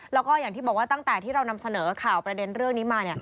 แล้วก็อย่างที่บอกว่าตั้งแต่ที่เรานำเสนอข่าวประเด็นเรื่องนี้มา